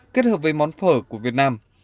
kết hợp với món phở của việt nam